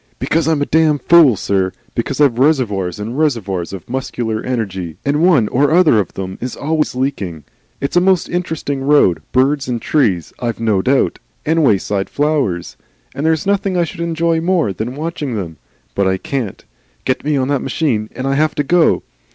"Because I'm a damned fool, sir. Because I've reservoirs and reservoirs of muscular energy, and one or other of them is always leaking. It's a most interesting road, birds and trees, I've no doubt, and wayside flowers, and there's nothing I should enjoy more than watching them. But I can't. Get me on that machine, and I have to go.